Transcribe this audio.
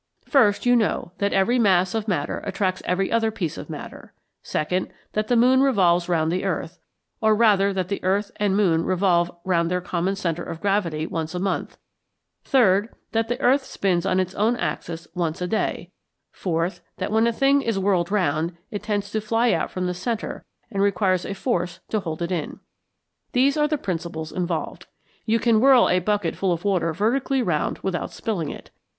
First, you know that every mass of matter attracts every other piece of matter; second, that the moon revolves round the earth, or rather that the earth and moon revolve round their common centre of gravity once a month; third, that the earth spins on its own axis once a day; fourth, that when a thing is whirled round, it tends to fly out from the centre and requires a force to hold it in. These are the principles involved. You can whirl a bucket full of water vertically round without spilling it.